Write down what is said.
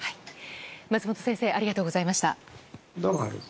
松本先生ありがとうございました。